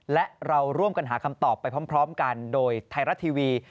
และเราร่วมกันหาคำตอบไปพร้อมกันโดยไทยรัฐทีวี